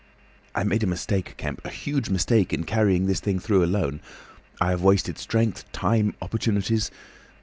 "I made a mistake, Kemp, a huge mistake, in carrying this thing through alone. I have wasted strength, time, opportunities.